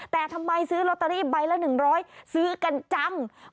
แต่ทำไมซื้อลอตเตอรี่ใบละ๑๐๐ซื้อกันจัง